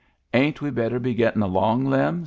" Ain't we better be getting along, Lem ?